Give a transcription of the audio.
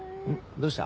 どうした？